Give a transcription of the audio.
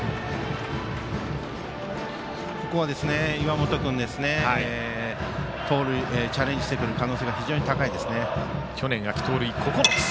ここは岩本君盗塁チャレンジしてくる可能性が非常に高いですね。